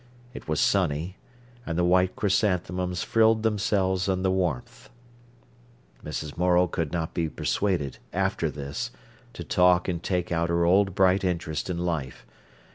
It was sunny, and the white chrysanthemums frilled themselves in the warmth. Mrs. Morel could not be persuaded, after this, to talk and take her old bright interest in life.